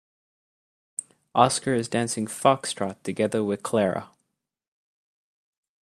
Oscar is dancing foxtrot together with Clara.